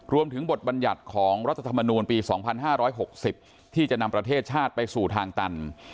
บทบัญญัติของรัฐธรรมนูลปี๒๕๖๐ที่จะนำประเทศชาติไปสู่ทางตัน